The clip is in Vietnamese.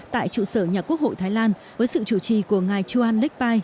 tại trụ sở nhà quốc hội thái lan với sự chủ trì của ngài chuan lek pai